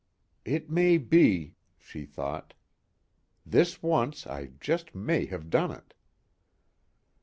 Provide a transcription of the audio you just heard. It may be, she thought. _This once I just may have done it.